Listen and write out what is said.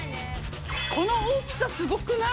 この大きさ、すごくない？